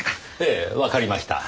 ええわかりました。